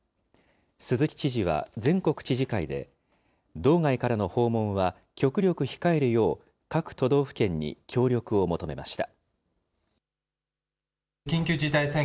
鈴木知事は全国知事会で、道外からの訪問は極力控えるよう、各都道府県に協力を求めました。